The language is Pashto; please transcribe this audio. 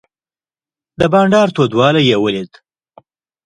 د بانډار تودوالی یې ولید.